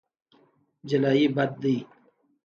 جلايي بد دی.